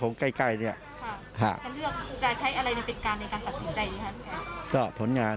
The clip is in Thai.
สอกรในเข็ดของท่าน